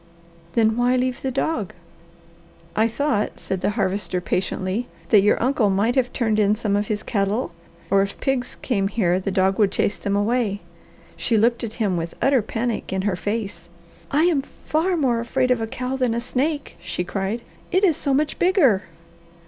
"Then why leave the dog?" "I thought," said the Harvester patiently, "that your uncle might have turned in some of his cattle, or if pigs came here the dog could chase them away." She looked at him with utter panic in her face. "I am far more afraid of a cow than a snake!" she cried. "It is so much bigger!"